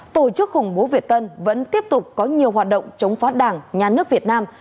tổ chức khủng bố việt tân vẫn tiếp tục có nhiều hoạt động chống phá đảng nhà nước việt nam